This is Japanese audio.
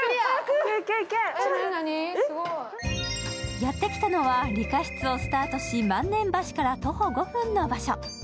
やってきたのはリカシツをスタートし、萬年橋から徒歩５分の場所。